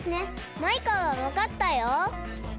マイカはわかったよ。